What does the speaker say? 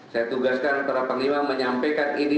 saya tugaskan para panglima menyampaikan ini